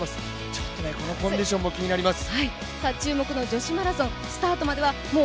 ちょっとこのコンディションも気になります。